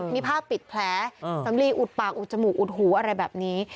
มีผ้าปิดแผลสำลีอุดปากอุดจมูกอุดหูอะไรแบบนี้